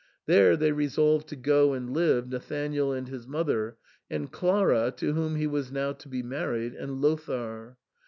There they resolved to go and live, Nathanael and his mother, and Clara, to whom he was now to be married, and Lothair.